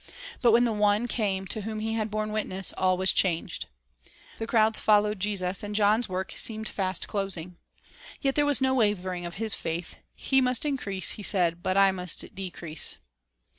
But when the One came to whom he had borne witness, all was changed. The crowds followed Jesus, and John's work seemed fast closing. Yet there was no wavering of his faith. "He must increase," he said, "but I must decrease."